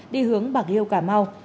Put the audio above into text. đi hướng bạc liêu cà mau